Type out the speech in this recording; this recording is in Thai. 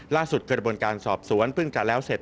ล่าสุดเกิดบนการสอบสวนเพิ่งจะแล้วเสร็จ